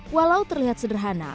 walau terlihat sederhana